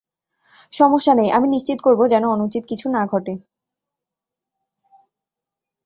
সমস্যা নেই, আমি নিশ্চিত করব যেন অনুচিত কিছু না ঘটে।